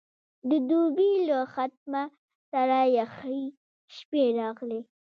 د دوبي له ختمه سره یخې شپې راغلې.